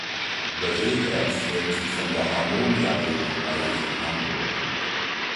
Bereedert werden sie von der Hammonia Reederei in Hamburg.